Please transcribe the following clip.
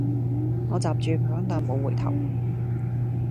我閘住反彈無回頭